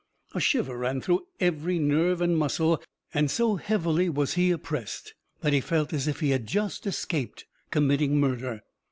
A shiver ran through every nerve and muscle, and so heavily was he oppressed that he felt as if he had just escaped committing murder.